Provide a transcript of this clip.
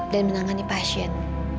dan menangani pasien